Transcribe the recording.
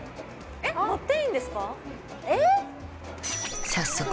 ・えっ乗っていいんですか？